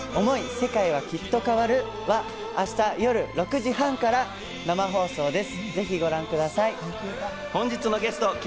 世界は、きっと変わる。』は、明日夜６時半から生放送です。